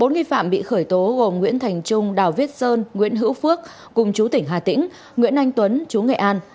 bốn nghi phạm bị khởi tố gồm nguyễn thành trung đào viết sơn nguyễn hữu phước cùng chú tỉnh hà tĩnh nguyễn anh tuấn chú nghệ an